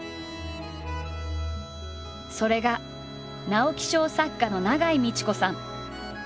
それが直木賞作家の永井路子さん。